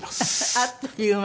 あっという間に。